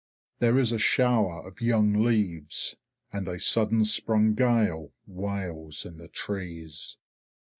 There is a shower of young leaves, and a sudden sprung gale wails in the trees.